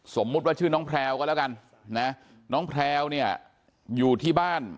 สมมุติว่าชื่อน้องแพลวก็แล้วกันนะน้องแพลวเนี่ยอยู่ที่บ้าน